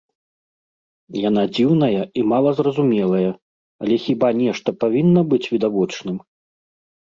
Яна дзіўная і мала зразумелая, але хіба нешта павінна быць відавочным?